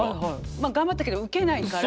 まあ頑張ったけどウケないから。